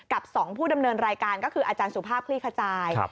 กับ๒ผู้ดำเนินรายการก็คืออาจารย์สุภาพคลี่ขจาย